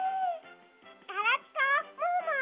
ガラピコムームー！